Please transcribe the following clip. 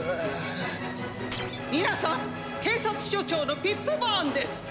「みなさん警察署長のピップバーンです」。